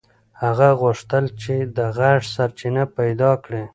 هغه غوښتل چې د غږ سرچینه پیدا کړي.